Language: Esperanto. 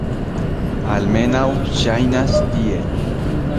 Almenaŭ ŝajnas tiel.